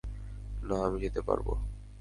না, আমি যেতে পারবো।